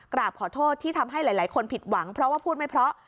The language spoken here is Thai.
กราบขอโทษที่ทำให้หลายคนผิดหวังเพราะว่าพูดไม่เพราะ